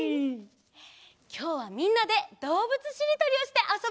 きょうはみんなでどうぶつしりとりをしてあそぶよ！